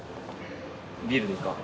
ビールでいいか？